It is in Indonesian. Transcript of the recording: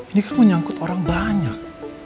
ini kan menyangkut orang banyak